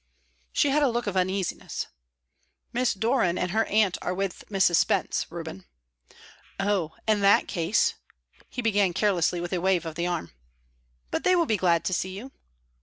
She had a look of uneasiness. "Miss Doran and her aunt are with Mrs. Spence, Reuben." "Oh, in that case " he began carelessly, with a wave of the arm. "But they will be glad to see you."